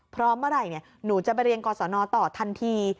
เมื่อไหร่หนูจะไปเรียนกรสนต่อทันที